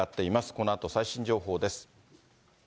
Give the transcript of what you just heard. このあと最新情報です。